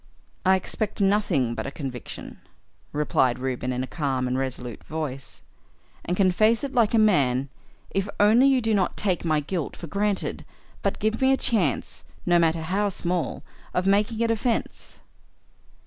"I expect nothing but a conviction," replied Reuben in a calm and resolute voice, "and can face it like a man if only you do not take my guilt for granted, but give me a chance, no matter how small, of making a defence."